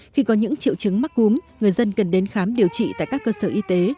khi có những triệu chứng mắc cúm người dân cần đến khám điều trị tại các cơ sở y tế